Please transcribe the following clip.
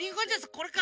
これか。